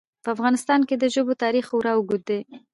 په افغانستان کې د ژبو تاریخ خورا اوږد دی.